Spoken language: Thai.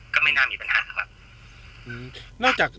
ก็ไม่น่ามีปัญหาครับ